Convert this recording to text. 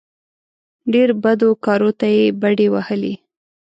ډېرو بدو کارو ته یې بډې وهلې.